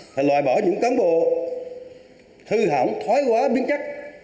thì loại bỏ những cán bộ hư hỏng thói hóa biến chất